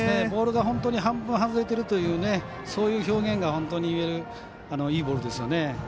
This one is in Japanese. ボールが本当に半分外れてるというそういう表現が本当にいいボールですよね。